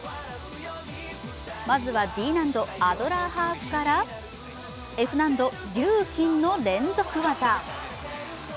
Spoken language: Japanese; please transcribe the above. まずはＤ難度・アドラーハーフからＦ難度・リューキンの連続技。